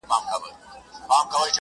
يوه برخه چوپه بله غوسه تل،